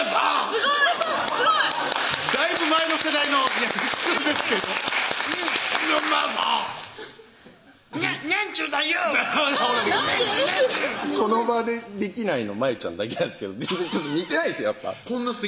すごいこの場でできないのまゆちゃんだけなんですけど全然似てないんです